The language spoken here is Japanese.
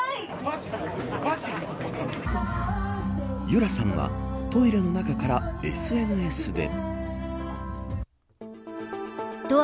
由良さんはトイレの中からＳＮＳで。